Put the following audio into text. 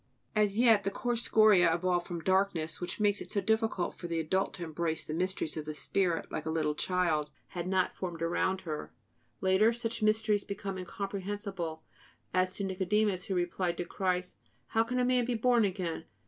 As yet the coarse scoria evolved from darkness, which makes it so difficult for the adult to embrace the mysteries of the spirit like a little child, had not formed around her. Later, such mysteries become incomprehensible; as to Nicodemus, who replied to Christ: "How can a man be born again?